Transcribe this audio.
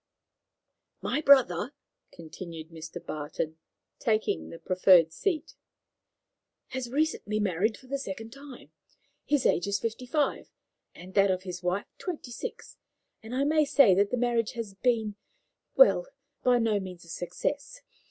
"My brother," continued Mr. Barton, taking the profferred seat, "has recently married for the second time. His age is fifty five, and that of his wife twenty six, and I may say that the marriage has been well, by no means a success.